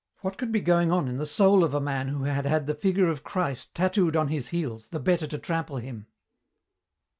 What could be going on in the soul of a man who had had the figure of Christ tattooed on his heels the better to trample Him?